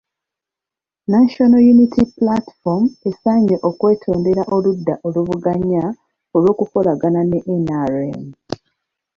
National Unity Platform esaanye okwetondera oludda oluvuganya olw’okukolagana ne NRM.